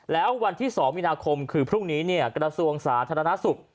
แล้ววันที่๒มีนาคมคือพรุ่งนี้กระทรวงสาธารณสุข